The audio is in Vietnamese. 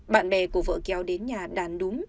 bạn bè của vợ kéo đến nhà đàn đúng